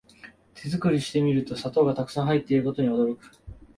手作りしてみると砂糖がたくさん入ってることに驚く